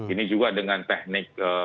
ini juga dengan teknik